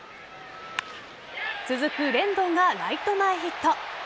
続くレンドーンがライト前ヒット。